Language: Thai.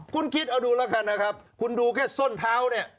คุณคิดเอาดูแล้วกันนะครับคุณดูแค่ส้นเท้าเนี่ย